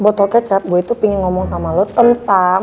botol kecap gue tuh pengen ngomong sama lo kentang